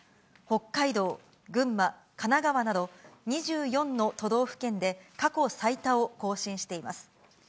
北海道、群馬、神奈川など、２４の都道府県で過去最多を更新しています。